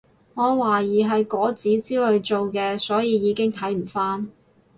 我懷疑係果籽之類做嘅所以已經睇唔返